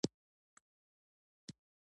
شېخ قاسم د محمد زاهد لمسی دﺉ.